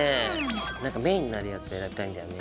何かメインになるやつを選びたいんだよね。